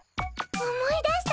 思い出した？